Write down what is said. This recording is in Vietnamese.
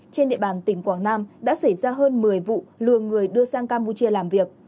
trên địa bàn tỉnh quảng nam đã xảy ra hơn một mươi vụ lừa người đưa sang campuchia làm việc